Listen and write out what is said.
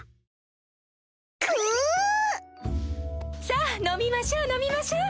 さぁ飲みましょう飲みましょう！